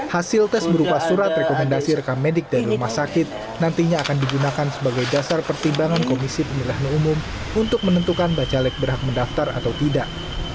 hasil tes berupa surat rekomendasi rekam medik dari rumah sakit nantinya akan digunakan sebagai dasar pertimbangan komisi pemilihan umum untuk menentukan bacalek berhak mendaftar atau tidak